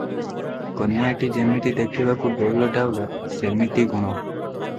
କନ୍ୟାଟି ଯେମିତି ଦେଖିବାକୁ ଡଉଲ ଡାଉଲ, ସେମିତି ଗୁଣ ।